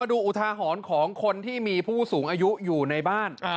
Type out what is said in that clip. อุทาหรณ์ของคนที่มีผู้สูงอายุอยู่ในบ้าน